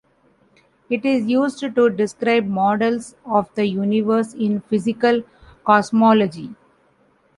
It is used to describe models of the universe in physical cosmology.